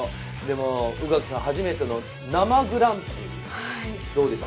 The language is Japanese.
宇垣さん、初めての生グランプリどうでした？